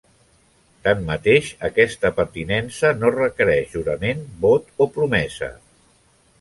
Tanmateix, aquesta pertinença no requereix jurament, vot o promesa.